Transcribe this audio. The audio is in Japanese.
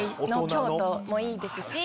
京都もいいですし。